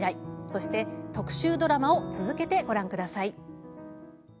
そして、特集ドラマを続けてご覧ください。